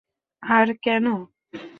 আর কেন?